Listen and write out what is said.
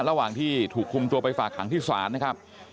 ระหว่างที่ถูกคุมตัวไปฝากขังที่ศาลนะครับ